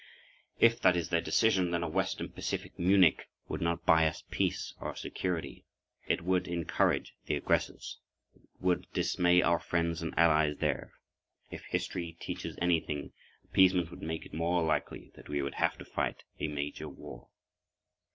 If that is their decision, then a western Pacific Munich would not buy us peace or security. It would encourage the aggressors. It would dismay our friends and allies there. If history teaches anything, appeasement would make it more likely that we would have to fight a major war.